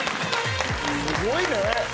すごいね！